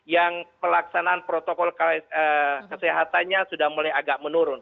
yang pelaksanaan protokol kesehatannya sudah mulai agak menurun